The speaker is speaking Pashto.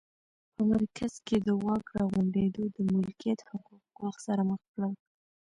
په مرکز کې د واک راغونډېدو د ملکیت حقوق ګواښ سره مخ کړل